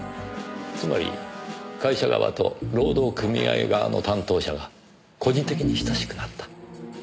つまり会社側と労働組合側の担当者が個人的に親しくなった。